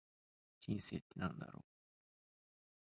人生って何だろう。